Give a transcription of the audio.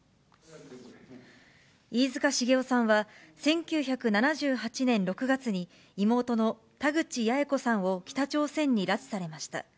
飯塚繁雄さんは、１９７８年６月に、妹の田口八重子さんを北朝鮮に拉致されました。